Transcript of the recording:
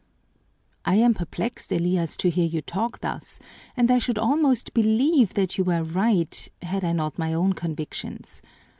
"I am perplexed, Elias, to hear you talk thus, and I should almost believe that you were right had I not my own convictions.